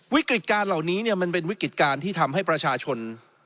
วิกฤตการณ์เหล่านี้มันเป็นวิกฤติการที่ทำให้ประชาชน